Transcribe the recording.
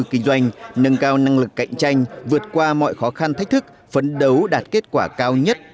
kinh doanh nâng cao năng lực cạnh tranh vượt qua mọi khó khăn thách thức phấn đấu đạt kết quả cao nhất